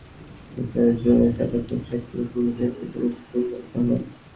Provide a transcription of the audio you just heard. মিসরীয় যুবক Khaled Saeed আগের বছরের জুনে সাদাপোশাকের পুলিশের পিটুনিতে নিহত হন।